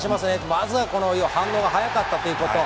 まずはこの反応が速かったということ。